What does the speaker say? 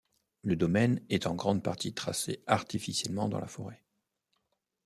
Le domaine est en grande partie tracé artificiellement dans la forêt.